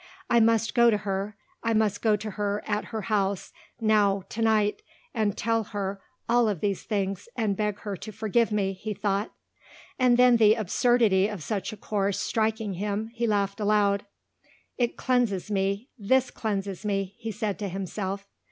"I must go to her I must go to her at her house now tonight and tell her all of these things, and beg her to forgive me," he thought. And then the absurdity of such a course striking him he laughed aloud. "It cleanses me! this cleanses me!" he said to himself.